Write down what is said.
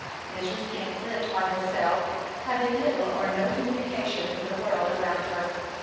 Mrs. Kent lived by herself, having little or no communication with the world around her.